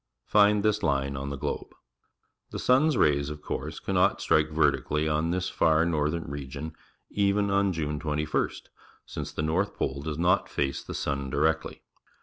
Find this line on the globe. The sun's rays, of course, cannot strike vertically on this far northern region even on June 21st, since the north pole does not face the sun directly.